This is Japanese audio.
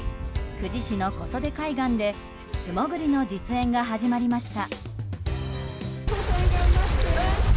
久慈市の小袖海岸で素潜りの実演が始まりました。